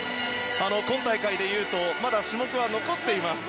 今大会で言うとまだ種目は残っています。